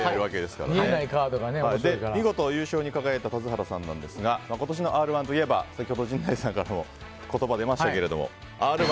見事、優勝に輝いた田津原さんですが今年の「Ｒ‐１」といえば先ほど陣内さんから出ましたけども「Ｒ‐１」